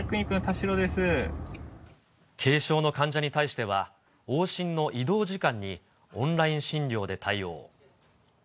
軽症の患者に対しては、往診の移動時間にオンライン診療で対応。